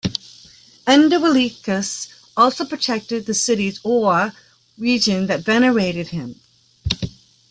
Endovelicus also protected the cities or region that venerated him.